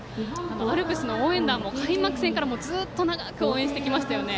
応援団も開幕戦からずっと長く応援してきましたよね。